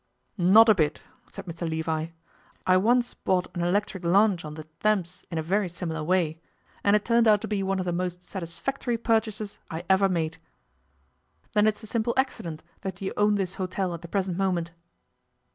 'Not a bit,' said Mr Levi. 'I once bought an electric launch on the Thames in a very similar way, and it turned out to be one of the most satisfactory purchases I ever made. Then it's a simple accident that you own this hotel at the present moment?